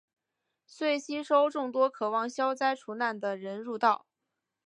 遂吸收众多渴望消灾除难的人入道。